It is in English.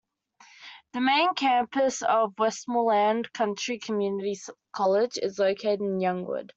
The Main Campus of Westmoreland County Community College is located in Youngwood.